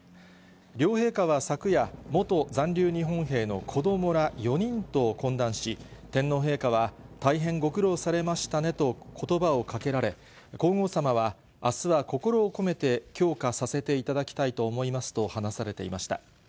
両陛下は昨夜、元残留日本兵の子どもら４人と懇談し、天皇陛下は大変ご苦労されましたねとことばをかけられ、皇后さまは、あすは心を込めて供花させていただきたいと思いますと話されていました。